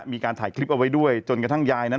มีการถ่ายคลิปเอาไว้ด้วยจนกระทั่งยายนั้น